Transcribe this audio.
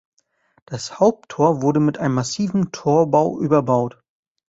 Das Haupttor wurde mit einem massiven Torbau überbaut.